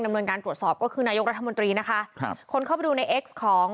ดำเนินการตรวจสอบก็คือนายกรัฐมนตรีนะคะครับคนเข้าไปดูในเอ็กซ์ของ